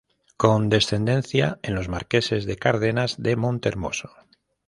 Con descendencia en los marqueses de Cárdenas de Montehermoso".